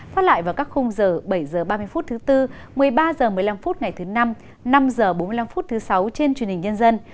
phát lại vào các khung giờ bảy h ba mươi phút thứ tư một mươi ba h một mươi năm phút ngày thứ năm năm h bốn mươi năm phút thứ sáu trên truyền hình nhân dân